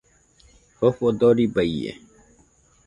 Jofo dorɨba ie